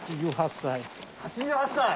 ８８歳？